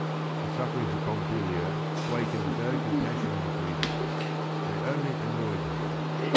The sufferings of Pompilia wakened no compassion in Guido; they only annoyed him.